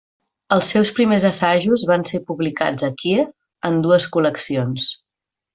Els seus primers assajos van ser publicats a Kíev en dues col·leccions.